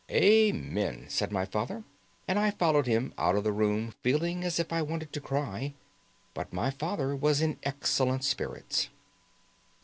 "Amen!" said my father, and I followed him out of the room, feeling as if I wanted to cry. But my father was in excellent spirits.